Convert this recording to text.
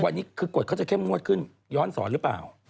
วันนี้คือกฎเขาจะเข้มงวดขึ้นย้อนสอนหรือเปล่า